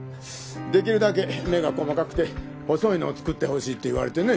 できるだけ目が細かくて細いのを作ってほしいって言われてね。